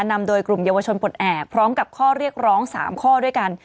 นำโดยกลุ่มเยาวชนปลดแอบพร้อมกับข้อเรียกร้อง๓ข้อด้วยกัน